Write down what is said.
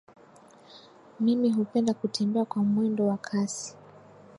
Mimi hupenda kutembea kwa mwendo wa kasi.